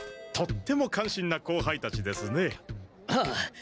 とっても感心な後輩たちですね。